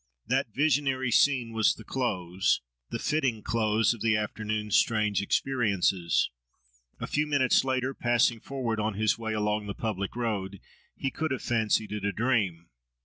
That visionary scene was the close, the fitting close, of the afternoon's strange experiences. A few minutes later, passing forward on his way along the public road, he could have fancied it a dream.